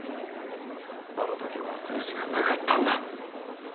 あの時はああするしかなかったんだ。